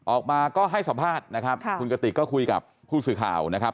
ออกมาก็ให้สัมภาษณ์นะครับคุณกติกก็คุยกับผู้สื่อข่าวนะครับ